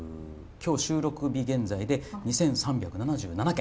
今日収録日現在で２，３７７軒。